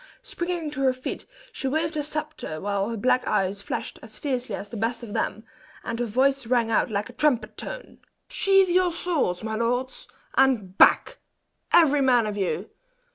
Springing to her feet, she waved her sceptre, while her black eyes flashed as fiercely as the best of them, and her voice rang out like a trumpet tone. "Sheathe your swords, my lords, and back every man of you!